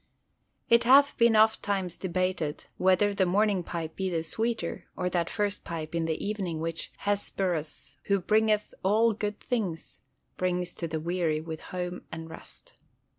It hath been ofttimes debated whether the morning pipe be the sweeter, or that first pipe of the evening which "Hesperus, who bringeth all good things," brings to the weary with home and rest.